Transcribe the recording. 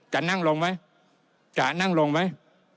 จะนั่งลงไหมจะนั่งลงไหม